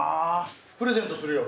プレゼントするよ。